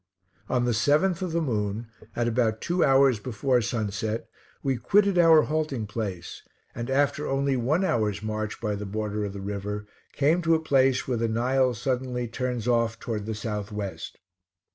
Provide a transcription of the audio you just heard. On the 7th of the moon, at about two hours before sunset, we quitted our halting place, and after only one hour's march by the border of the river came to a place where the Nile suddenly turns off toward the south west.